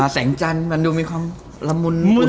แสงจันทร์มันดูมีความละมุน